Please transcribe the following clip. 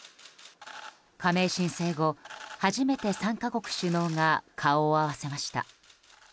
加盟申請後、初めて３か国首脳が顔を合わせました。